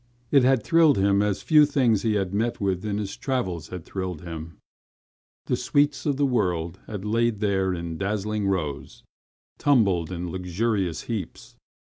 It had thrilled him as few things he had met with in his travels had thrilled him. The sweets of the world had laid there in dazzling rows, tumbled in luxurious heaps.